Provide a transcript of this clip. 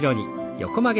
横曲げ。